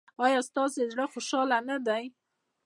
ایا ستاسو زړه خوشحاله نه دی؟